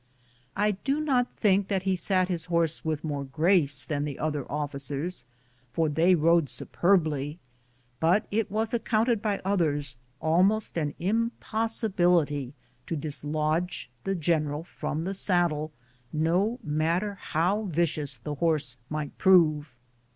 I do not think that he sat his horse with more grace than the other oflScers, for they rode superbly, but it was ac counted by others almost an impossibility to dislodge the general from the saddle, no matter how vicious the horse might prove.